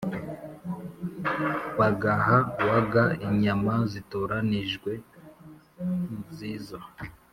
bagaha waga inyama zitoranijwe nziza